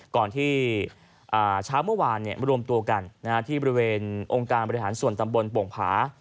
ก่อนที่เช้าเมื่อวานรวมตัวกันที่บริเวณองค์การบริหารส่วนตำบลโป่งผา